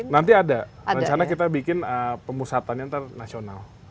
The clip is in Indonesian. nanti ada rencana kita bikin pemusatannya antar nasional